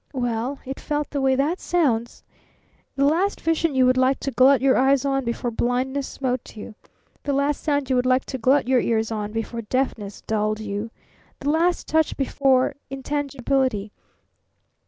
Well, it felt the way that sounds! The last vision you would like to glut your eyes on before blindness smote you! The last sound you would like to glut your ears on before deafness dulled you! The last touch before Intangibility!